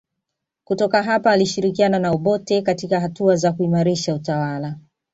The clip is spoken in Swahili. Kutoka hapa alishirikiana na Obote katika hatua za kuimarisha utawala